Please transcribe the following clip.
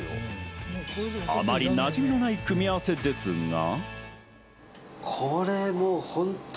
あまりなじみのない組み合わせですが。